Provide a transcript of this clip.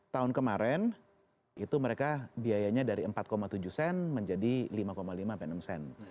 tahun kemarin itu mereka biayanya dari empat tujuh sen menjadi lima lima sampai enam sen